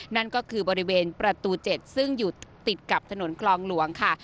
นั่นก็คือบริเวณประตู๗ซึ่งอยู่ติดกับถนนคลองหลวงค่ะ